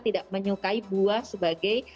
tidak menyukai buah sebagai